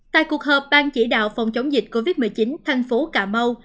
tại cuộc họp ban chỉ đạo phòng chống dịch covid một mươi chín thành phố cà mau